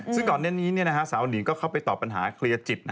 ซึ่งก่อนหน้านี้สาวหนิงก็เข้าไปตอบปัญหาเคลียร์จิต